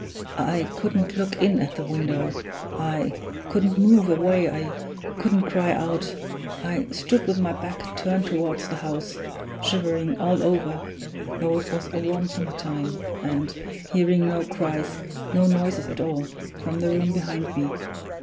I couldn't look in at the window I couldn't move away I couldn't cry out; I stood with my back turned toward the house, shivering all over, though it was a warm summer time, and hearing no cries, no noises at all, from the room behind me.